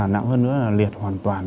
nặng hơn nữa là liệt hoàn toàn